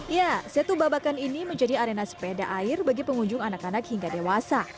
ya setu babakan ini menjadi arena sepeda air bagi pengunjung anak anak hingga dewasa